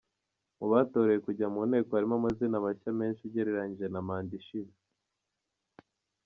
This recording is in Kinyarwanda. Mu batorewe kujya mu Nteko harimo amazina mashya menshi ugereranyije na manda ishize.